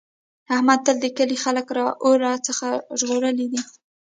احمد تل د کلي خلک له اور څخه ژغورلي دي.